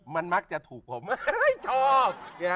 มันมักจะถูกผมชอบ